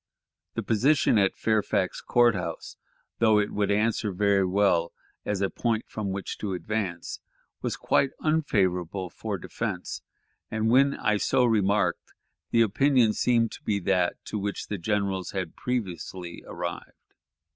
The position at Fairfax Court House, though it would answer very well as a point from which to advance, was quite unfavorable for defense; and when I so remarked, the opinion seemed to be that to which the generals had previously arrived.